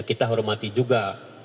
kita hormati juga